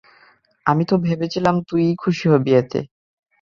আমি তো ভেবেছিলাম তুই খুশিই হবি এতে!